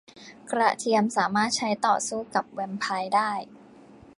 กระเทียมสามารถใช้ต่อสู้กับแวมไพร์ได้